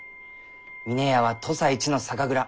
峰屋は土佐一の酒蔵。